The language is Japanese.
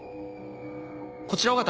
こちら緒方。